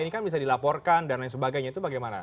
ini kan bisa dilaporkan dan lain sebagainya itu bagaimana